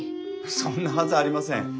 そんなはずありません。